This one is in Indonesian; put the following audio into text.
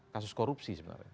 kasus korupsi sebenarnya